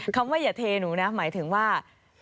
คำว่าอย่าเทหนูนะหมายถึงว่า